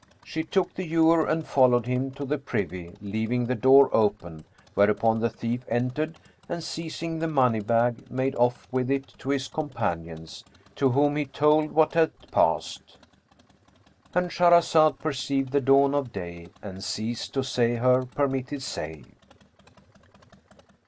She took the ewer and followed him to the privy, leaving the door open, whereupon the thief entered and, seizing the money bag, made off with it to his companions, to whom he told what had passed.—And Shahrazad perceived the dawn of day and ceased to say her permitted say.